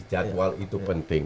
jadwal itu penting